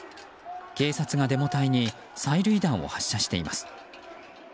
警察がデモ隊に催涙弾を発射しています。